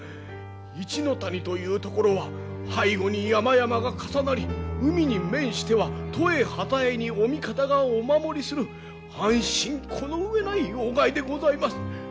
一ノ谷という所は背後に山々が重なり海に面しては十重二十重にお味方がお守りする安心この上ない要害でございます。